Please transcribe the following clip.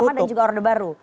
orde lama dan juga orde baru